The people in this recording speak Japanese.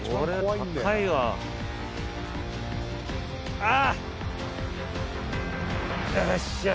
あっ！